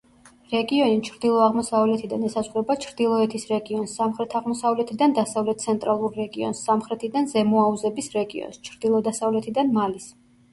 რეგიონი ჩრდილო-აღმოსავლეთიდან ესაზღვრება ჩრდილოეთის რეგიონს, სამხრეთ-აღმოსავლეთიდან დასავლეთ-ცენტრალურ რეგიონს, სამხრეთიდან ზემო აუზების რეგიონს, ჩრდილო-დასავლეთიდან მალის.